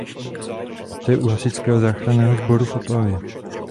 Pracuje u Hasičského záchranného sboru v Opavě.